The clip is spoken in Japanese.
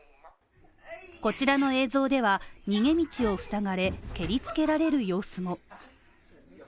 こちらの映像では逃げ道をふさがれ蹴りつけられる様子も。